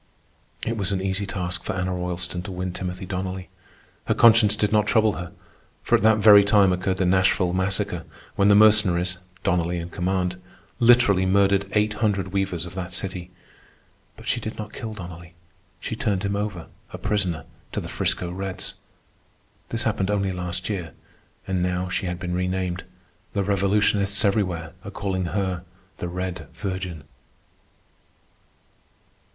It was an easy task for Anna Roylston to win Timothy Donnelly. Her conscience did not trouble her, for at that very time occurred the Nashville Massacre, when the Mercenaries, Donnelly in command, literally murdered eight hundred weavers of that city. But she did not kill Donnelly. She turned him over, a prisoner, to the 'Frisco Reds. This happened only last year, and now she had been renamed. The revolutionists everywhere are calling her the "Red Virgin."